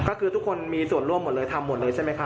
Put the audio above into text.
ก็คือทุกคนมีส่วนร่วมหมดเลยทำหมดเลยใช่ไหมคะ